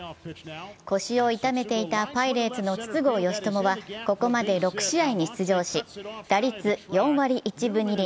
腰を痛めていたパイレーツの筒香嘉智はここまで６試合に出場し打率４割１分２厘。